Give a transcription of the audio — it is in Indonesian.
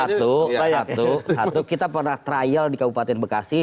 satu kita pernah trial di kabupaten bekasi